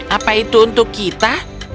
apa itu untuk kita